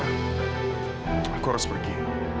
aku harus pergi